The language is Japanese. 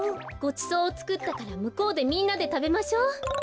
ごちそうをつくったからむこうでみんなでたべましょう。